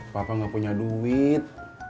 papa gak punya duit